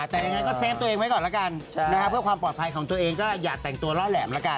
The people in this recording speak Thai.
แต่ยังไงก็เฟฟตัวเองไว้ก่อนแล้วกันเพื่อความปลอดภัยของตัวเองก็อย่าแต่งตัวล่อแหลมละกัน